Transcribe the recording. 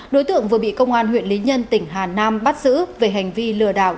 đối tượng vừa bị công an huyện lý nhân tỉnh hà nam bắt giữ về hành vi lừa đảo